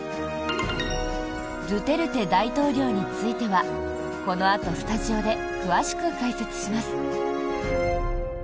ドゥテルテ大統領についてはこのあとスタジオで詳しく解説します。